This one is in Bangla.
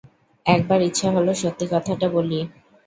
একবার ইচ্ছা হল সত্যি কথাটা বলি।